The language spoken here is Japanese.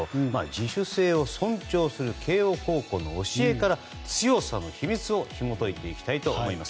自主性を尊重する慶応の教えから強さの秘密をひも解いていきます。